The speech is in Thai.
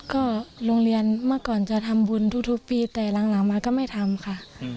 ก็โรงเรียนเมื่อก่อนจะทำบุญทุกปีแต่หลังมาก็ไม่ทำค่ะ